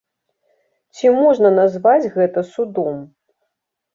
Ці можна назваць гэта судом?